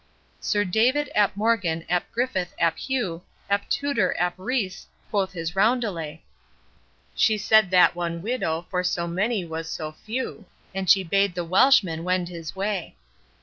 Sir David ap Morgan ap Griffith ap Hugh Ap Tudor ap Rhice, quoth his roundelay She said that one widow for so many was too few, And she bade the Welshman wend his way.